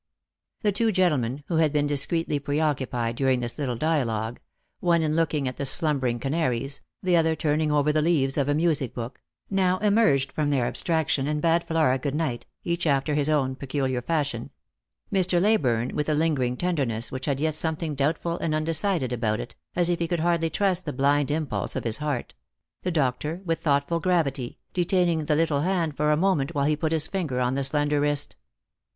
The two gentlemen, who had been discreetly preoccupied during this little dialogue,— one in looking at the slumbering canaries, the other turning over the leaves of a music book — now emerged from their abstraction and bade Flora good night, each after his peculiar fashion — Mr. Leyburne with a lingering tenderness, which had yet something doubtful and undecided about it, as if he could hardly trust the blind impulse of his heart; the doctor with thoughtful gravity, detaining the little hand for a moment while he put his finger on the slender wrist.